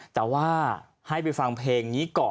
แต่ว่าให้ไปฟังเพลงนี้ก่อน